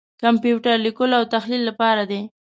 کمپیوټر لیکلو او تحلیل لپاره دی.